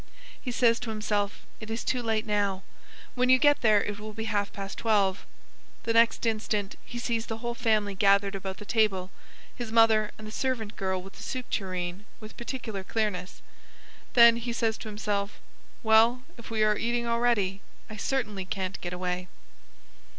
He says to himself, "It is too late now; when you get there it will be half past twelve." The next instant he sees the whole family gathered about the table his mother and the servant girl with the soup tureen with particular clearness. Then he says to himself, "Well, if we are eating already, I certainly can't get away."